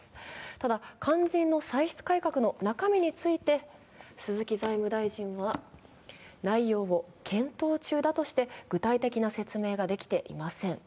ただ、肝心の歳出改革の中身について鈴木財務大臣は、内容を検討中だとして具体的な説明ができていません。